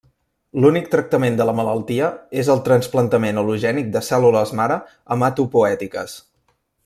L'únic tractament de la malaltia és el trasplantament al·logènic de cèl·lules mare hematopoètiques.